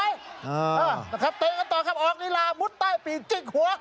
อ้าวนะครับเตะกันต่อครับออกนิรามุดใต้ปิดจิ๊กหัว